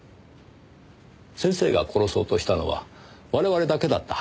先生が殺そうとしたのは我々だけだったはずです。